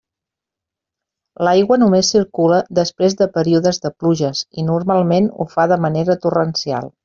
L'aigua només circula després de períodes de pluges, i normalment ho fa de manera torrencial.